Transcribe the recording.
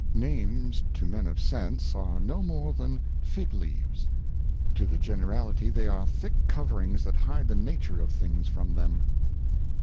NAMES to Men of Sense are no more than Fig leaves; to the Names. generality they are thick Coverings that hide the Nature of Things from them.